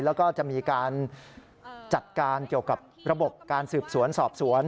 แล้วก็จะมีการจัดการเกี่ยวกับระบบการสืบสวนสอบสวน